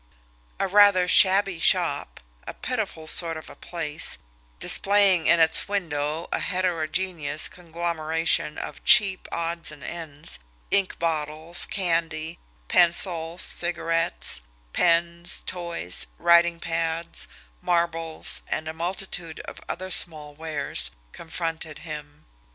A rather shabby shop, a pitiful sort of a place, displaying in its window a heterogeneous conglomeration of cheap odds and ends, ink bottles, candy, pencils, cigarettes, pens, toys, writing pads, marbles, and a multitude of other small wares, confronted him.